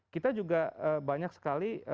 kita juga banyak sekali